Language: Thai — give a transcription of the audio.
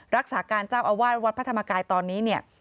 รักษาการเจ้าอาวาสวัดพระธรรมกายตอนนี้เนี่ย